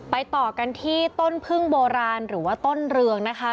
ต่อกันที่ต้นพึ่งโบราณหรือว่าต้นเรืองนะคะ